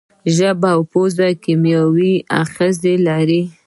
ژبه او پزه کیمیاوي آخذې لري.